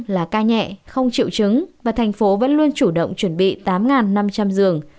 chín mươi bảy là ca nhẹ không triệu chứng và thành phố vẫn luôn chủ động chuẩn bị tám năm trăm linh giường